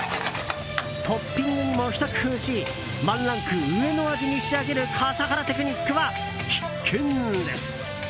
トッピングにもひと工夫しワンランク上の味に仕上げる笠原テクニックは必見です。